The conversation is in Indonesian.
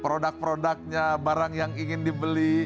produk produknya barang yang ingin dibeli